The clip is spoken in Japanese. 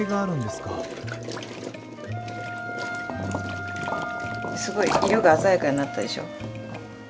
すごい色が鮮やかになったでしょ。